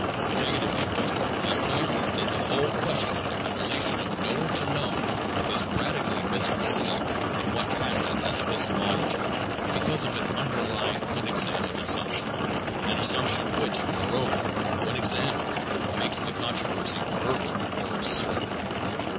Negatively put, my point is that the whole question of the relation of knower to known is radically mis conceived in what passes as epistemology, because of an underlying unexamined assumption, an assumption which, moreover, when ex amined, makes the controversy verbal or absurd.